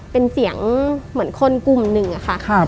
เป็นเสียงเหมือนคนกลุ่มหนึ่งอะค่ะ